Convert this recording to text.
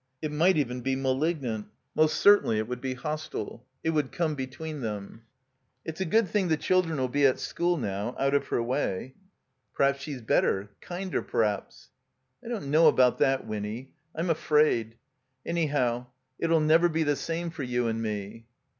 It might even be malignant. Most certainly it would be hostile. It would come between them. "It's a good thing the children 'U be at school now — out of her way." 393 THE COMBINED MAZE *' P'raps she*s better — kinder, p'raps." I don't know about that, Winny. I'm afraid. Anyhow, it '11 never be the same for you and me."